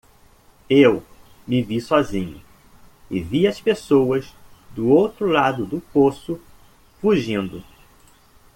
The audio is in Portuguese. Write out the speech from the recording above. Eu me vi sozinho e vi as pessoas do outro lado do poço fugindo.